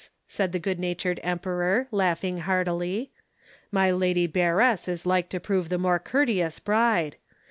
said the good natured Emperor, laughing heartily. "My Lady Bearess is like to prove the more courteous bride!